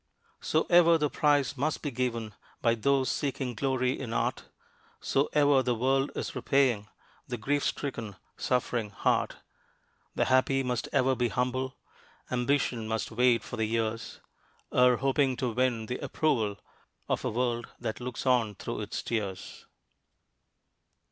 So ever the price must be given By those seeking glory in art; So ever the world is repaying The grief stricken, suffering heart. The happy must ever be humble; Ambition must wait for the years, Ere hoping to win the approval Of a world that looks on through its tears.